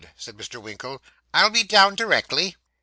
said Mr. Winkle; 'I'll be down directly.